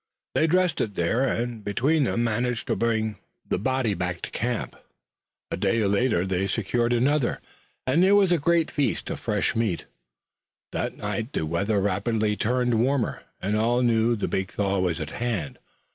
They dressed it there, and, between them, managed to bring the body back to the camp. A day later they secured another, and there was a great feast of fresh meat. That night the weather rapidly turned warmer and all knew the big thaw was at hand.